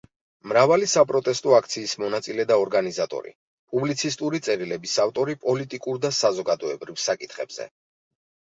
მრავალი საპროტესტო აქციის მონაწილე და ორგანიზატორი, პუბლიცისტური წერილების ავტორი პოლიტიკურ და საზოგადოებრივ საკითხებზე.